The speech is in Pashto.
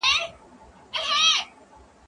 هغه څوک چي سبزیجات وچوي روغ وي